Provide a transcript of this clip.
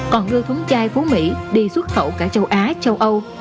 còn đưa thống chai phú mỹ đi xuất khẩu cả châu á châu âu